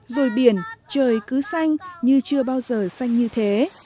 rồi biển trời cứ xanh như chưa bao giờ xanh như thế